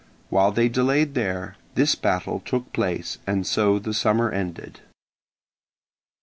While they delayed there, this battle took place and so the summer ended.